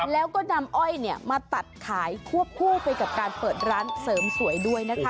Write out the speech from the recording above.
แล้วก็นำอ้อยมาตัดขายควบคู่ไปกับการเปิดร้านเสริมสวยด้วยนะคะ